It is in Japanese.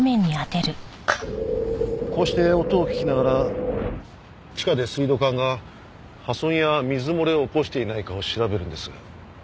こうして音を聞きながら地下で水道管が破損や水漏れを起こしていないかを調べるんです。